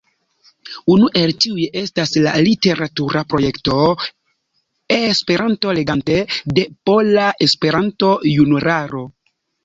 Unu el tiuj estas la literatura projekto E-legante de Pola Esperanto-Junularo.